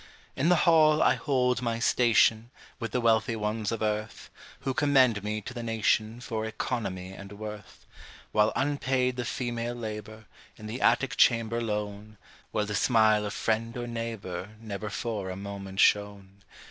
In the hall I hold my station, With the wealthy ones of earth, Who commend me to the nation For economy and worth, While unpaid the female labor, In the attic chamber lone, Where the smile of friend or neighbor Never for a moment shone.